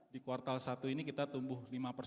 di kuartal satu ini kita tumbuh lima